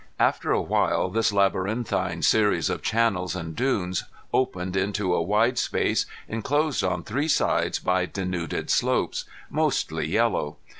After a while this labyrinthine series of channels and dunes opened into a wide space enclosed on three sides by denuded slopes, mostly yellow.